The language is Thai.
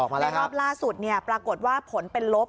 และรอบล่าสุดปรากฏว่าผลเป็นลบ